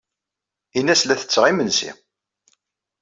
Ini-as la ttetteɣ imensi.